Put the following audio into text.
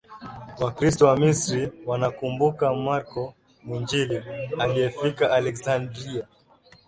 Wakristo wa Misri wanamkumbuka Marko Mwinjili aliyefika Aleksandria